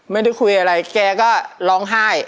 ไม่ได้คุยกันอะไรจริงแก่ก็ร้องไห้